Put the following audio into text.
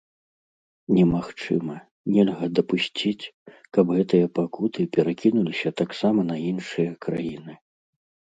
Немагчыма, нельга дапусціць, каб гэтыя пакуты перакінуліся таксама на іншыя краіны.